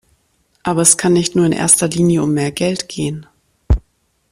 Aber es kann nicht nur in erster Linie um mehr Geld gehen.